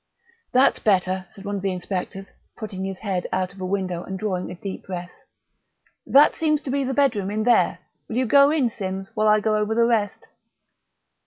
"That's better," said one of the inspectors, putting his head out of a window and drawing a deep breath.... "That seems to be the bedroom in there; will you go in, Simms, while I go over the rest?..."